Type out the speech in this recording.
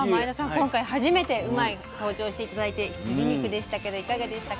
今回初めて「うまいッ！」登場して頂いて羊肉でしたけどいかがでしたか？